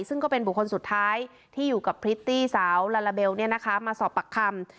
ซึ่งก็เป็นบุคคลสุดท้ายที่อยู่กับพริตตี้สาวลาลาเบลมาสอบปากคำ